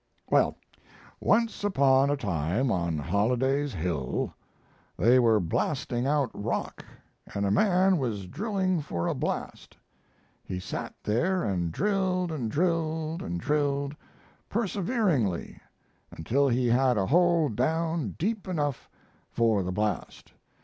Well, once upon a time, on Holliday's Hill, they were blasting out rock, and a man was drilling for a blast. He sat there and drilled and drilled and drilled perseveringly until he had a hole down deep enough for the blast.